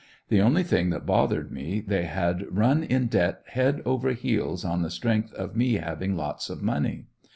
The only thing that bothered me they had run in debt head over heels on the strength of me having lots of money.